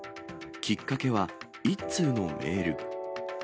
きっかけは、１通のメール。